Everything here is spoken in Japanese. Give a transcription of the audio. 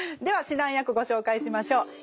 では指南役ご紹介しましょう。